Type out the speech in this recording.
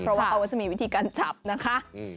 เพราะว่าเขาก็จะมีวิธีการจับนะคะ